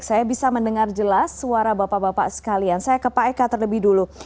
saya bisa mendengar jelas suara bapak bapak sekalian saya ke pak eka terlebih dulu